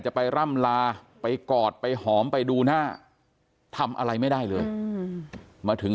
ไปร่ำลาไปกอดไปหอมไปดูหน้าทำอะไรไม่ได้เลยมาถึง